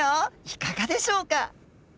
いかがでしょうか？